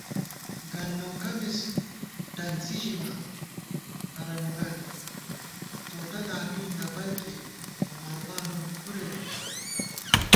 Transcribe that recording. گلنوکہ مِز ڈنڅی ژِمان ہرَنُوگل، مڅوٹہ دامی نہ بئیکےعمربا نُن کھرےدِمان